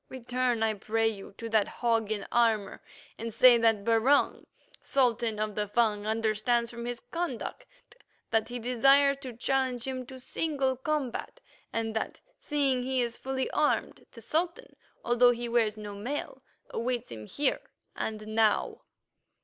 Return, I pray you, to that hog in armour, and say that Barung, Sultan of the Fung, understands from his conduct that he desires to challenge him to single combat, and that, seeing he is fully armed, the Sultan, although he wears no mail, awaits him here and now."